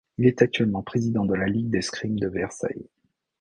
Il est actuellement Président de la Ligue d'escrime de Versailles.